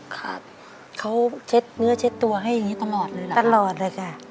ครับเขาเช็ดเนื้อเช็ดตัวให้อย่างนี้ตลอดเลยล่ะตลอดเลยค่ะ